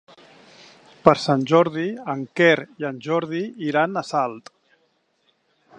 Per Sant Jordi en Quer i en Jordi iran a Salt.